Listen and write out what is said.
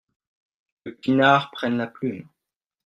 Que Pinard prenne la plume.